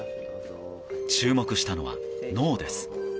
注目したのは、脳です。